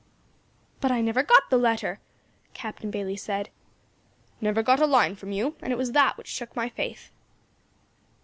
"But I never got the letter," Captain Bayley said, "never got a line from you, and it was that which shook my faith."